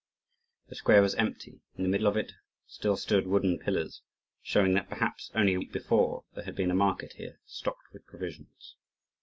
The square was empty: in the middle of it still stood wooden pillars, showing that, perhaps only a week before, there had been a market here stocked with provisions.